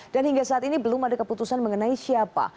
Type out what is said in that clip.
dan hingga saat ini belum ada keputusan mengenai siapa